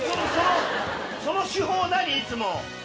その手法何⁉いつも。